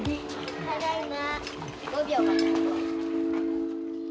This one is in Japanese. ただいま。